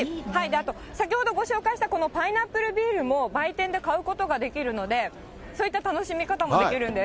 あと先ほどご紹介したこのパイナップルビールも売店で買うことができるので、そういった楽しみ方もできるんです。